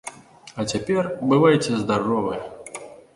А цяпер бывайце здаровы!